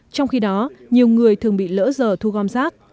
trong khi đó nhiều người thường bị lỡ giờ thu gom rác